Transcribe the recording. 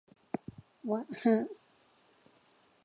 ว่ะฮ่ะ